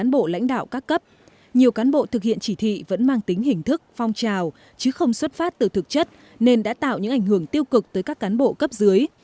trong suốt năm năm thực hiện chỉ thị vẫn mang tính hình thức phong trào chứ không xuất phát từ thực chất nên đã tạo những ảnh hưởng tiêu cực tới các cán bộ cấp dưới